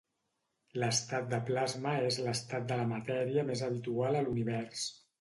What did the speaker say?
L'estat de plasma és l'estat de la matèria més habitual a l'Univers.